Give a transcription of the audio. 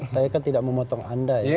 saya kan tidak mau potong anda ya